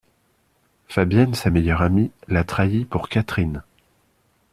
Fabienne, sa meilleure amie, la trahit pour Catherine.